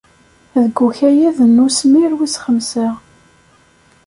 Deg ukayad n uswir wis xemsa.